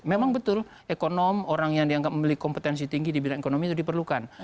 memang betul ekonom orang yang dianggap memiliki kompetensi tinggi di bidang ekonomi itu diperlukan